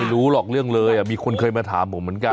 รู้หรอกเรื่องเลยมีคนเคยมาถามผมเหมือนกัน